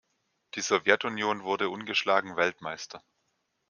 Die Sowjetunion wurde ungeschlagen Weltmeister.